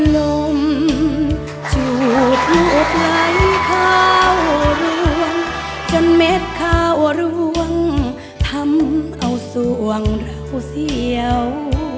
ลมจูดลูกไหลข้าวร่วงจนเม็ดข้าวร่วงทำเอาส่วงเราเสียว